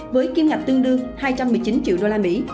với kim ngạch tương đương hai trăm một mươi chín triệu usd